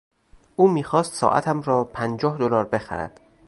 او میخواست ساعتم را پنجاه دلار بخرد.